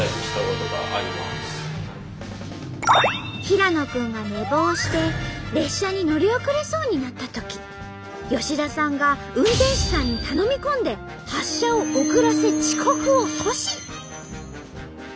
平野君が寝坊して列車に乗り遅れそうになったとき吉田さんが運転士さんに頼み込んで発車を遅らせ遅刻を阻止！